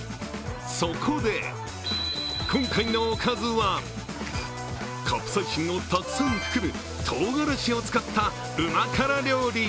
そこで今回のおかずはカプサイシンをたくさん含むとうがらしを使ったうま辛料理。